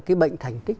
cái bệnh thành tích